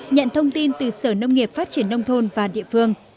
nhận thông tin từ sở nông nghiệp phát triển nông thôn và địa phương